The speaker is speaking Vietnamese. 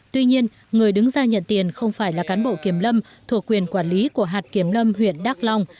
tuy nhiên người đứng ra nhận tiền không phải là cán bộ kiểm lâm thuộc quyền quản lý của hạt kiểm lâm huyện đắk long